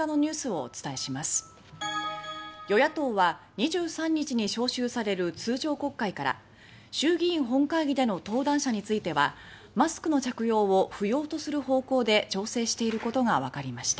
２３日に召集される通常国会から衆議院本会議での登壇者についてはマスクの着用を不要とする方向で調整していることがわかりました